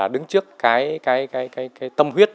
đứng trước tâm huyết